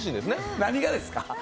何がですか？